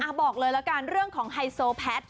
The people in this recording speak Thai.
บอกเลยละกันเรื่องของไฮโซแพทย์